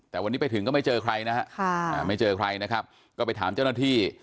แต่วันนี้ไปถึงก็ไม่เจอใครนะฮะไม่เจอใครนะครับก็ไปถามเจ้าหน้าที่